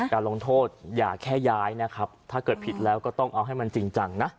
การลงโทษอย่าแค่ย้ายนะครับถ้าเกิดผิดแล้วก็ต้องเอาให้มันจริงจังนะ